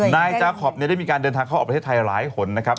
นายจาคอปได้มีการเดินทางเข้าออกประเทศไทยหลายคนนะครับ